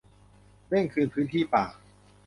เร่งคืนพื้นที่ป่า